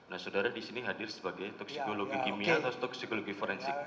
nah saudara di sini hadir sebagai toksikologi kimia atau toksikologi forensik